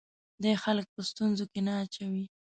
دی خلک په ستونزو کې نه اچوي.